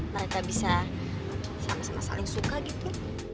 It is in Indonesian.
mereka bisa sama sama saling suka gitu